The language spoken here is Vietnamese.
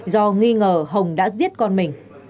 do nghi ngờ hồng đã giết con mình